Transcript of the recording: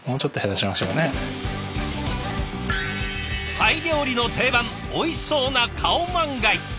タイ料理の定番おいしそうなカオマンガイ。